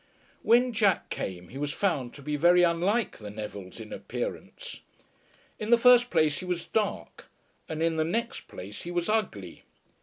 When Jack came he was found to be very unlike the Nevilles in appearance. In the first place he was dark, and in the next place he was ugly.